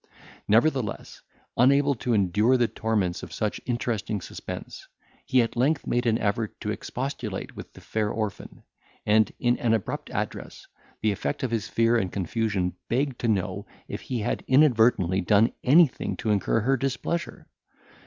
Nevertheless, unable to endure the torments of such interesting suspense, he at length made an effort to expostulate with the fair orphan; and in an abrupt address, the effect of his fear and confusion, begged to know if he had inadvertently done anything to incur her displeasure.